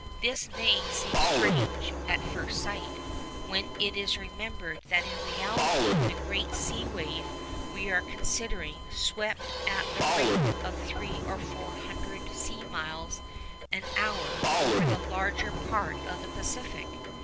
This may seem strange, at first sight, when it is remembered that in reality the great sea wave we are considering swept at the rate of three or four hundred sea miles an hour over the larger part of the Pacific.